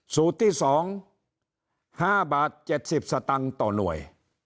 สูตรที่๒๕บาท๗๐สตางค์ต่อหน่วย